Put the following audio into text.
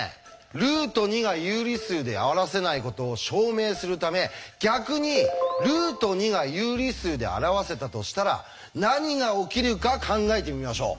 ルート２が有理数で表せないことを証明するため逆にルート２が有理数で表せたとしたら何が起きるか考えてみましょう。